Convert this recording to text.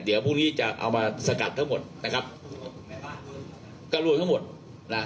เดี๋ยวพรุ่งนี้จะเอามาสกัดทั้งหมดนะครับก็รวมทั้งหมดนะ